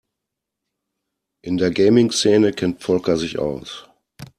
In der Gaming-Szene kennt Volker sich aus.